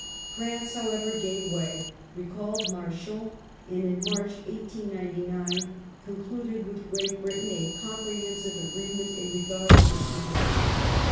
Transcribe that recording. France, however, gave way, recalled Marchand, and in March, 1899, concluded with Great Britain a comprehensive agreement in regard to the Soudan.